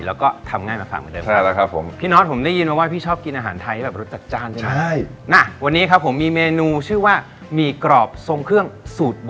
แล้วก็ทำง่ายมาฝากเหมือนเดิม